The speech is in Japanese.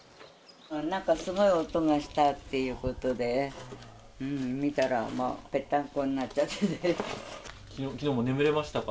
なんかすごい音がしたっていうことで、見たら、ぺったんこにきのうも眠れましたか？